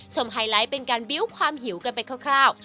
ไฮไลท์เป็นการบิวต์ความหิวกันไปคร่าว